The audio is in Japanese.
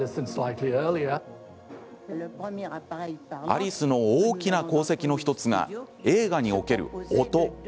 アリスの大きな功績の１つが映画における音。